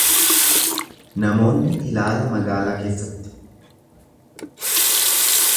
Namoonni ilaala magaalaa keessatti.